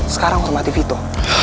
sekarang harus mati vito